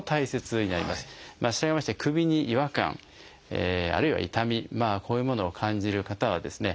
したがいまして首に違和感あるいは痛みこういうものを感じる方はですね